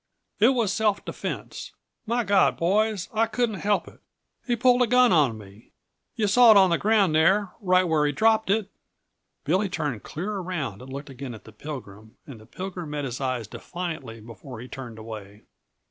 "It was self defense. My God, boys, I couldn't help it! He pulled a gun on me. Yuh saw it on the ground there, right where he dropped it." Billy turned clear around and looked again at the Pilgrim, and the Pilgrim met his eyes defiantly before he turned away.